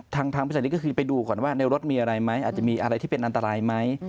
ทางบริษัทนี้ก็คือไปดูก่อนว่าในรถมีอะไรไหมอาจจะมีอะไรที่เป็นอันตรายไหม